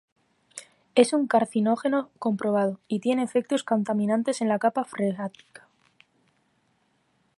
Es un carcinógeno comprobado, y tiene efectos contaminantes en la capa freática.